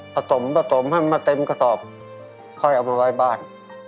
ผสมผสมให้มันเต็มกระดอกค่อยเอามาไว้บ้าน